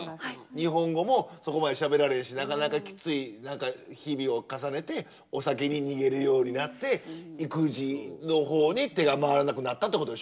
日本語もそこまでしゃべられへんしなかなかきつい日々を重ねてお酒に逃げるようになって育児のほうに手が回らなくなったってことでしょ。